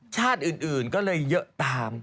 ชาติอื่นก็เลยเยอะตาม